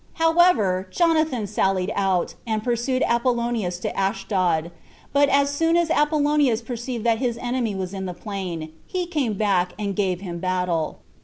However, Jonathan sallied out, and pursued Apollonius to Ashdod; but as soon as Apollonius perceived that his enemy was in the plain, he came back and gave him battle.